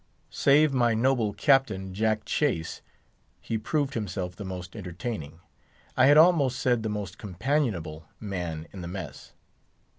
Save my noble captain, Jack Chase, he proved himself the most entertaining, I had almost said the most companionable man in the mess.